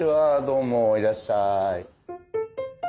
どうもいらっしゃい。